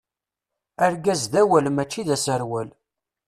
Argaz d awal mačči d aserwal.